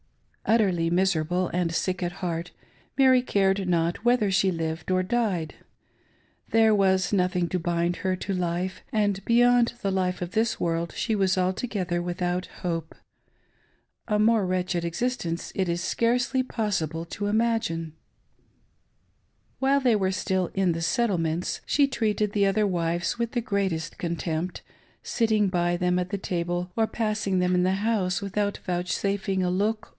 Utterly miserable and sick at heart, Mary cared not whether she lived or died. There was nothing to bind her to life, and beyond the life of this world she was altogether with out hope. A more wretched existence it is scarcely possible to imagine. 564 DESOLATE AND ALONE. While they were still in the Settlements, she treated the other wives with the greatest contempt, sitting by them at the table or passing them in the house without vouchsafing a lool?